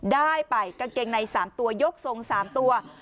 ได้ไปกางเกงใน๓ตัวยกทรง๓ตัว